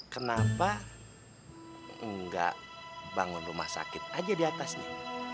kenapa enggak bangun rumah sakit aja di atasnya